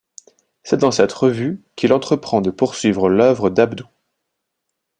C'est dans cette revue qu'il entreprend de poursuivre l'œuvre d'Abduh.